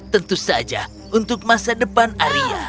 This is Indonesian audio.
tentu saja untuk masa depan arya